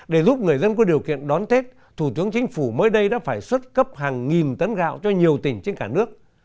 để giúp người dân có điều kiện đón tết thủ tướng chính phủ mới đây đã phải xuất cấp hàng nghìn tấn gạo cho nhiều tỉnh trên cả nước